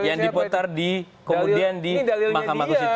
yang diputar di kemudian di mahkamah konstitusi